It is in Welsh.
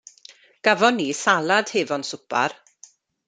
Gafon ni salad hefo'n swpar.